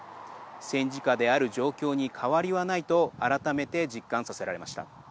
戦時下である状況に変わりはないと改めて実感させられました。